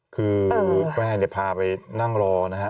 คือแม่พาไปนั่งรองนะ